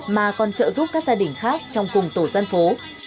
mà còn trợ giúp các gia đình khác trong cùng tổ dân phố